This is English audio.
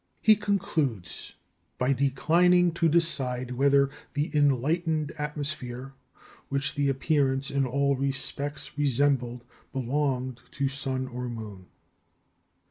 He concludes by declining to decide whether the "enlightened atmosphere," which the appearance "in all respects resembled," "belonged to sun or moon."